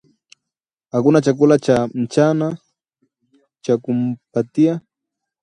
Hakuna chakula cha mchana cha kumpatia